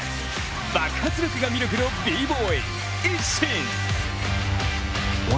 爆発力が魅力のＢＢＯＹＩＳＳＩＮ！